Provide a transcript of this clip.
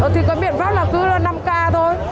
thì có miệng pháp là cứ năm k thôi